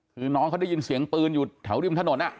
คือน้องเขาได้ยินเสียงปืนอยู่แถวริมถนน